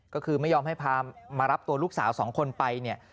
ก็คือไม่ยอมให้พามารับตัวลูกสาวสองคนไปเนี่ย